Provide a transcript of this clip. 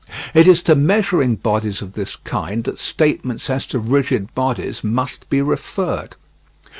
It is to measuring bodies of this kind that statements as to rigid bodies must be referred.